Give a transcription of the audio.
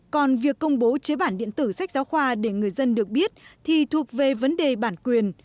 còn việc công bố chế bản điện tử sách giáo khoa để người dân được biết thì thuộc về vấn đề bản quyền